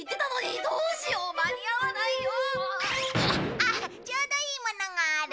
あっちょうどいいものがある。